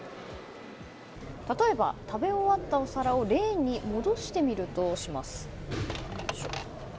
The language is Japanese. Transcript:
例えば、食べ終わったお皿をレーンに戻してみるとします。